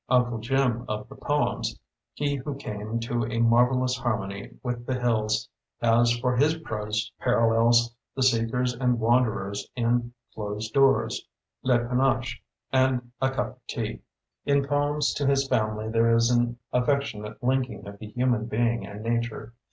Uncle Jim, of the poems, he who came to a marvelous harmony with the hills, has for his prose parallels the seekers and wanderers in "Closed Doors", "Le Panache" and "A Cup of Tea". In poems to his family there is an affectionate linking of the human being and nature.